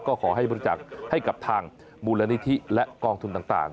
ก็ขอให้บริจาคให้กับทางมูลนิธิและกองทุนต่าง